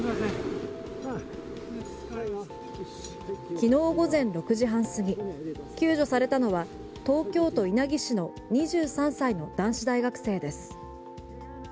昨日午前６時半すぎ救助されたのは東京都稲城市の２３歳の男子大学生です。